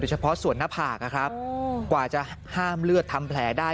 เฉพาะส่วนหน้าผากนะครับกว่าจะห้ามเลือดทำแผลได้